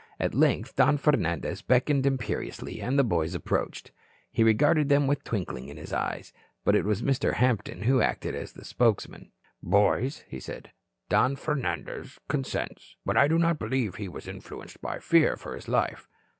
At length, Don Fernandez beckoned imperiously, and the boys approached. He regarded them with twinkling eyes, but it was Mr. Hampton who acted as spokesman. "Boys," said he, "Don Fernandez consents. But I do not believe he was influenced by fear for his life."